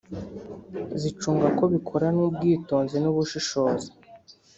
zicunga ko bikoranwa ubwitonzi n’ubushishozi